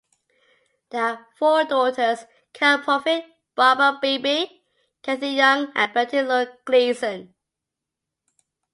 They had four daughters, Carol Proffitt, Barbara Beebe, Kathy Young, and Betty Lou Gleason.